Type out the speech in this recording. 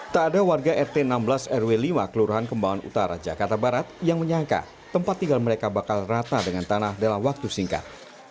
tak ada warga rt enam belas rw lima kelurahan kembangan utara jakarta barat yang menyangka tempat tinggal mereka bakal rata dengan tanah dalam waktu singkat